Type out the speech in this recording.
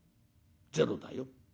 ゼロだよ。